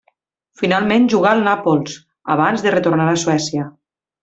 Finalment jugà al Nàpols, abans de retornar a Suècia.